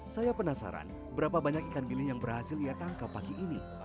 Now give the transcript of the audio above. saya penasaran berapa banyak ikan bili yang berhasil ia tangkap pagi ini